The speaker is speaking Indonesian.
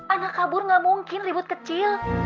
anak kabur gak mungkin ribut kecil